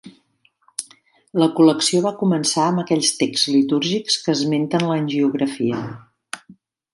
La col·lecció va començar amb aquells texts litúrgics que esmenten l'hagiografia.